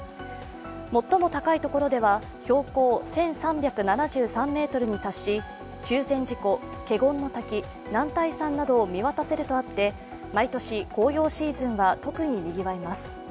最も高い所では標高１３７３ｍに達し、中禅寺湖、華厳滝男体山などを見渡せるとあって毎年、紅葉シーズンは特ににぎわいます。